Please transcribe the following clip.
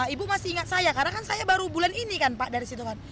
ibu masih ingat saya karena saya baru bulan ini kan pak